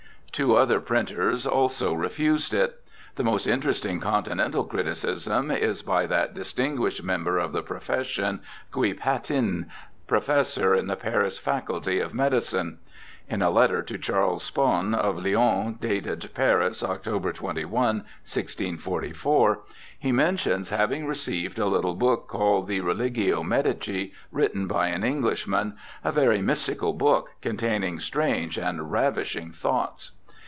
Two other printers also re fused it. The most interesting continental criticism is by that distinguished member of the profession, Gui Patin, professor in the Paris Faculty of Medicine. In a letter to Charles Spon of Lyons, dated Paris, October 21, 1644, he mentions having received a little book called the Religio Medici, written by an English man, *a very mystical book containing strange and ravishing thoughts.'